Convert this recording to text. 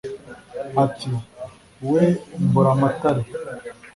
Ati :" We Mburamatare,